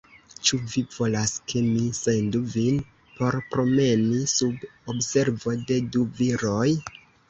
Ĉu vi volas, ke mi sendu vin por promeni, sub observo de du viroj?